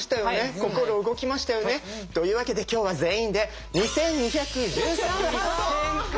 心動きましたよね。というわけで今日は全員で２２１３ハート！